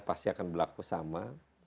pasti akan berlaku sama